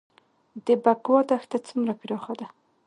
د بکوا دښته څومره پراخه ده؟